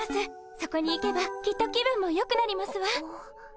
そこに行けばきっと気分もよくなりますわ。